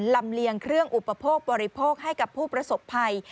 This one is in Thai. เลียงเครื่องอุปโภคบริโภคให้กับผู้ประสบภัย